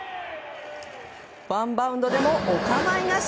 ワンバウンドでもお構いなし。